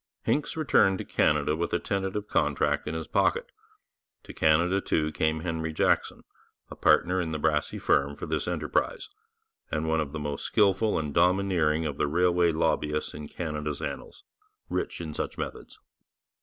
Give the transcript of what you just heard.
Hincks returned to Canada with a tentative contract in his pocket. To Canada, too, came Henry Jackson, a partner in the Brassey firm for this enterprise, and one of the most skilful and domineering of the railway lobbyists in Canada's annals, rich in such methods.